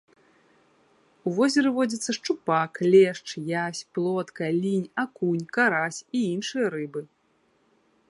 У возеры водзяцца шчупак, лешч, язь, плотка, лінь, акунь, карась і іншыя рыбы.